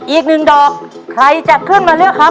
อีกหนึ่งดอกใครจะขึ้นมาเลือกครับ